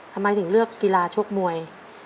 ทำไมถึงเลือกกีฬาชกมวย